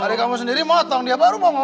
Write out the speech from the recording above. tapi kayaknya raya masih marah sama saya